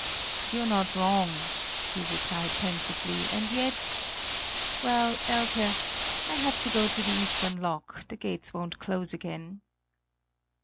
"You're not wrong," he replied pensively, "and yet Well, Elke, I have to go to the eastern lock; the gates won't close again."